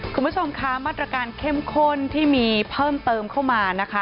คุณผู้ชมคะมาตรการเข้มข้นที่มีเพิ่มเติมเข้ามานะคะ